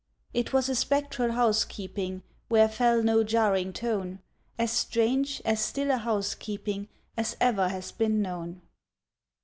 It was a spectral housekeeping Where fell no jarring tone, As strange, as still a housekeeping As ever has been known.